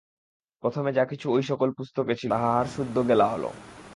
প্রথমে যা কিছু ঐ সকল পুস্তকে ছিল, তা হাড়সুদ্ধ গেলা হল।